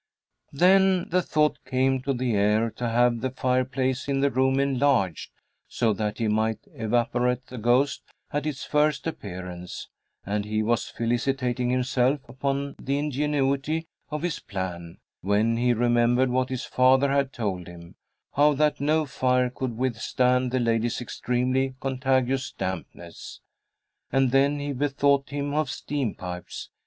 Then the thought came to the heir to have the fireplace in the room enlarged, so that he might evaporate the ghost at its first appearance, and he was felicitating himself upon the ingenuity of his plan, when he remembered what his father had told him how that no fire could withstand the lady's extremely contagious dampness. And then he bethought him of steam pipes.